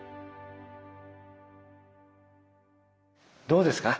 どうですか？